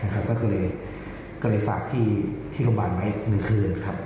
ก็เลยฝากที่โรงพยาบาลไว้๑คืนครับ